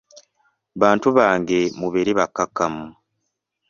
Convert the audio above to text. Bantu bange mubeere bakkakkamu.